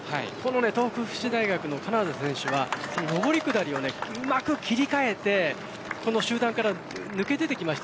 東北福祉大学の金澤さんは上り下りをうまく切り替えてこの集団から抜け出てきました。